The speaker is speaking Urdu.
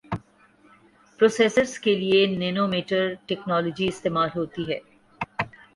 پروسیسرز کے لئے نینو میٹر ٹیکنولوجی استعمال ہوتی ہے